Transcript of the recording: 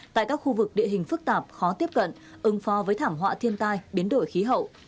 tại các khu vực địa hình phức tạp khó tiếp cận ứng phó với thảm họa thiên tai biến đổi khí hậu